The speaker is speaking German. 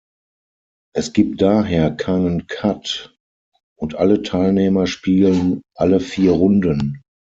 Es gibt daher keinen "Cut" und alle Teilnehmer spielen alle vier Runden.